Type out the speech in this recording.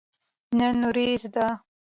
نن وريځ ده